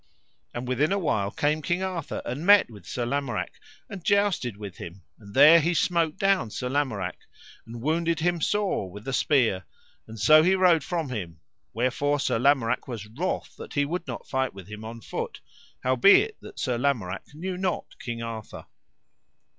And within a while came King Arthur, and met with Sir Lamorak, and jousted with him; and there he smote down Sir Lamorak, and wounded him sore with a spear, and so he rode from him; wherefore Sir Lamorak was wroth that he would not fight with him on foot, howbeit that Sir Lamorak knew not King Arthur.